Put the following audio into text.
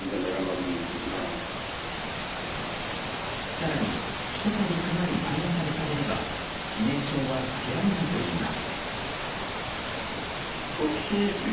更にひと度クマに体当たりされれば致命傷は避けられないといいます。